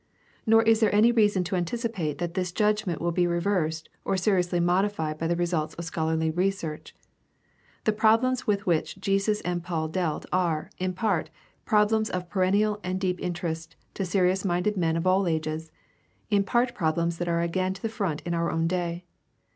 Nor is there any reason to anticipate that this judgment will be reversed or seriously modified by the results of scholarly research. The problems with which Jesus and Paul dealt are, in part, problems of perennial and deep interest to serious minded men of all ages, in part problems that are again to the front in our own day.